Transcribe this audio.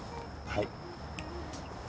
はい。